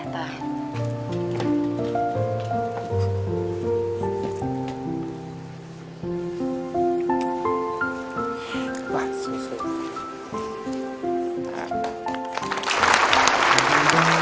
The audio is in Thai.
ได้